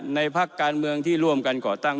พักการเมืองที่ร่วมกันก่อตั้ง